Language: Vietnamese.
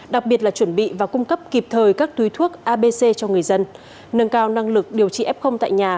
đặc biệt là chuẩn bị và cung cấp kịp thời các túi thuốc abc cho người dân nâng cao năng lực điều trị f tại nhà